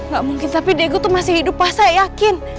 gak mungkin tapi diego itu masih hidup pas saya yakin